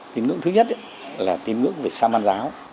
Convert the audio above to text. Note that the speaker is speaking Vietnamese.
tím ngưỡng thứ nhất là tím ngưỡng về saman giáo